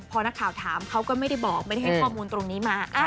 พอนักข่าวถามเขาก็ไม่ได้บอกไม่ได้ให้ข้อมูลตรงนี้มา